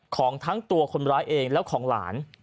ของทั้งตัวคนร้ายเองและของหลาน